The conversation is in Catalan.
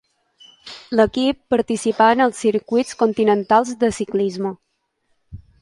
L'equip participà en els Circuits continentals de ciclisme.